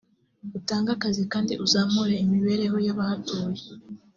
utange akazi kandi uzamure imibereho y’abahatuye